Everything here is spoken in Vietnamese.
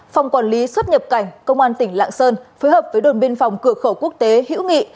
phòng quản lý xuất nhập cảnh công an tỉnh lạng sơn phối hợp với đồn biên phòng cửa khẩu quốc tế hữu nghị